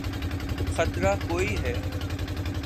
خطرہ کوئی ہے۔